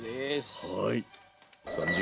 はい。